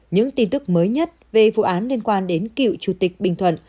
những tin tức mới nhất về vụ án liên quan đến cựu chủ tịch bình thuận